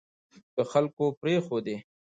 که خلکو پرېښودې